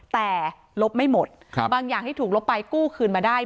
แต่ลบไม่หมดบางอย่างที่ถูกลบไปกู้คืนมาได้